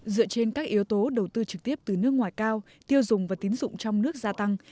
dựa trên các yếu tố đầu tư trực tiếp từ nước ngoài cao tiêu dùng và tín dụng trong nước gia tăng